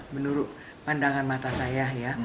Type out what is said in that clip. menurut pandangan mata saya ya